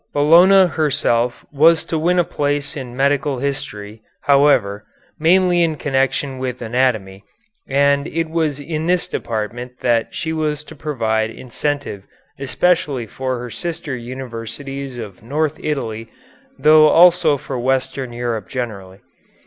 Bologna herself was to win a place in medical history, however, mainly in connection with anatomy, and it was in this department that she was to provide incentive especially for her sister universities of north Italy, though also for Western Europe generally.